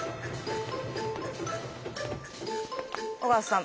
尾形さん